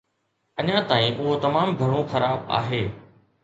اڃان تائين، اهو تمام گهڻو خراب آهي.